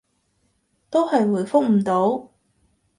都係回覆唔到